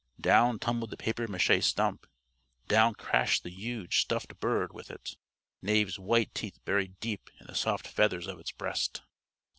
Down tumbled the papier maché stump. Down crashed the huge stuffed bird with it; Knave's white teeth buried deep in the soft feathers of its breast.